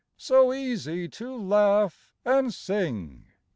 So easy to laugh and sing!